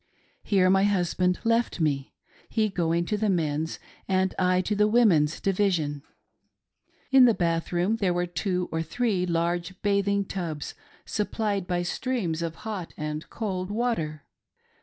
Here my husband left me — he going to the men's and I to the women's division. In the bath room were two or three large bathing tubs supplied by streams of hot and cold water.